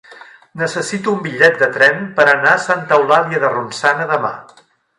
Necessito un bitllet de tren per anar a Santa Eulàlia de Ronçana demà.